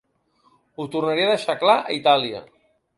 Ho tornaré a deixar clar a Itàlia.